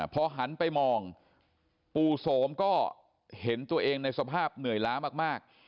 พอหันไปมองปู่โสมก็เห็นตัวเองในสภาพเหนื่อยล้ามาก